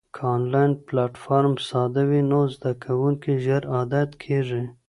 که انلاین پلیټفارم ساده وي، زده کوونکي ژر عادت کېږي.